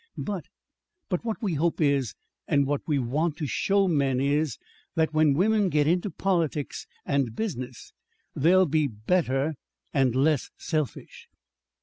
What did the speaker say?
But but what we hope is, and what we want to show men is, that when women get into politics and business they'll be better and less selfish."